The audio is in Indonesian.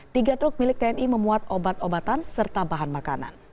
tiga truk milik tni memuat obat obatan serta bahan makanan